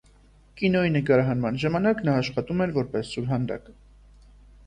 Կինոյի նկարահանման ժամանակ նա աշխատում էր որպես սուրհանդակ։